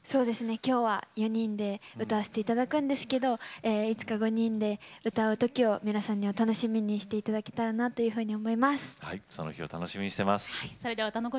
きょうは４人で歌わせていただくんですけどいつか５人で歌うときを皆さんにお楽しみにしていただけたらなと思います。